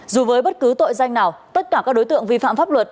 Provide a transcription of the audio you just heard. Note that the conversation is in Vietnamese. dù với bất cứ tội danh nào tất cả các đối tượng vi phạm pháp luật